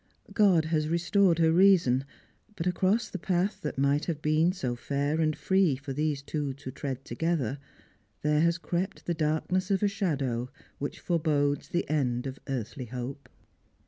God has restored her reason ; but acroes the path that might have been so fair and free for these two to tread together there haa crept the darkness of a shadow which forebodes the end of earthly hope.